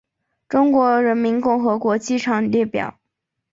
中华人民共和国机场列表